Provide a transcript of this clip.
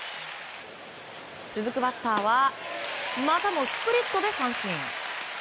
続くバッターはまたもスプリットで三振。